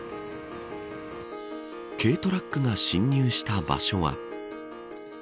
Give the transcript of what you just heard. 軽トラックが侵入した場所は。